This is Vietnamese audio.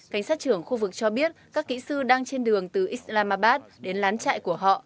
cảnh sát trưởng khu vực cho biết các kỹ sư đang trên đường từ islamabad đến lán chạy của họ